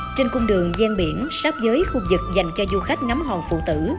trên cung đường gian biển sáp giới khu vực dành cho du khách ngắm hòn phụ tử